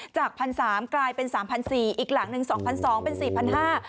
จากพันสามกลายเป็นสามพันสี่อีกหลังหนึ่งสองพันสองเป็นสี่พันห้า